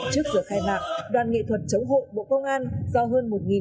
trước giờ khai mạc đoàn nghệ thuật chống hộ bộ công an do hơn một học viên